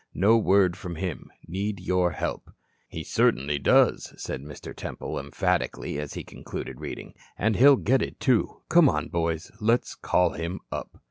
No word from him. Need your help." "He certainly does," said Mr. Temple, emphatically, as he concluded reading. "And he'll get it, too. Come on, boys, let's call him up."